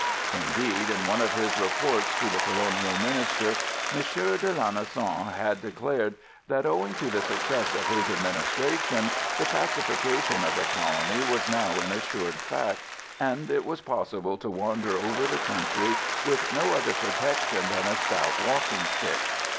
Indeed, in one of his reports to the Colonial Minister, M. de Lanessan had declared that, owing to the success of his administration, the pacification of the colony was now an assured fact, and it was possible to wander over the country with no other protection than a stout walking stick.